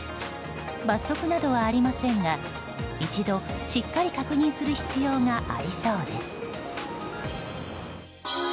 罰則などはありませんが一度しっかり確認する必要がありそうです。